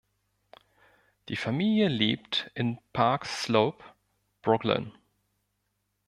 Die Familie lebt in Park Slope, Brooklyn.